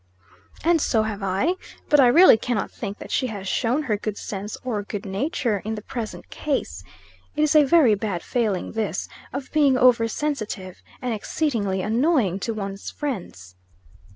"And so have I. But I really cannot think that she has shown her good sense or good nature in the present case. It is a very bad failing this, of being over sensitive; and exceedingly annoying to one's friends."